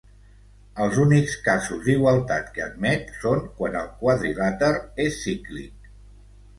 Els únics casos d'igualtat que admet són quan el quadrilàter és cíclic.